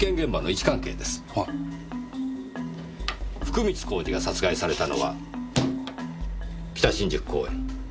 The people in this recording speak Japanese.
福光公次が殺害されたのは北新宿公園。